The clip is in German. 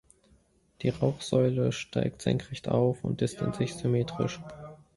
Die Rauchsäule steigt senkrecht auf und ist in sich symmetrisch.